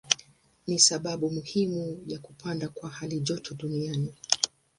Ni sababu muhimu ya kupanda kwa halijoto duniani.